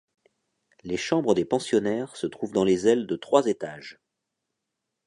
Les chambres des pensionnaires se trouvent dans les ailes de trois étages.